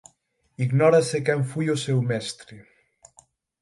Ignórase quen foi o seu mestre.